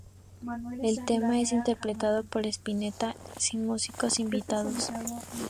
El tema es interpretado por Spinetta, sin músicos invitados.